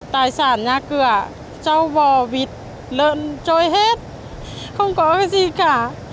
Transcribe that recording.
tài sản nhà cửa châu bò vịt lợn trôi hết không có cái gì cả